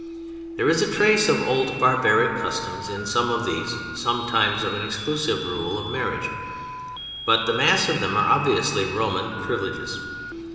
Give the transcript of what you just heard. There is a trace of old barbaric customs in some of these, sometimes of an exclusive rule of marriage; but the mass of them are obviously Roman privileges.